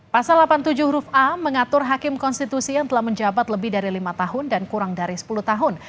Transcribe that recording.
pasal delapan puluh tujuh huruf a mengatur hakim konstitusi yang telah menjabat lebih dari lima tahun dan kurang dari sepuluh tahun